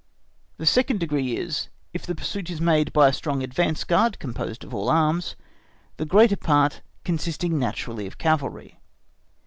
The second degree is, if the pursuit is made by a strong advance guard composed of all arms, the greater part consisting naturally of cavalry.